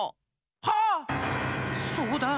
はっそうだ！